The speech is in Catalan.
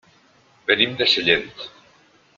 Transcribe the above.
Venim de Sellent.